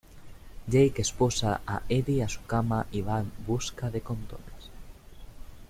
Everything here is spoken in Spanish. Jake esposa a Eddie a su cama y va en busca de condones.